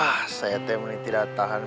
ah saya temui tidak tahan